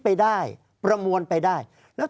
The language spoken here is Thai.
ภารกิจสรรค์ภารกิจสรรค์